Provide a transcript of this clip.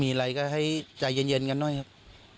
มีอะไรก็ให้ใจเย็นกันหน่อยครับ